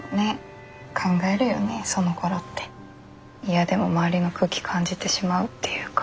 嫌でも周りの空気感じてしまうっていうか。